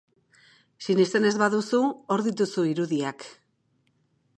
Sinesten ez baduzu, hor dituzu irudiak.